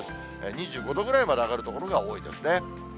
２５度ぐらいまで上がる所が多いですね。